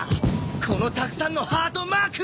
このたくさんのハートマーク！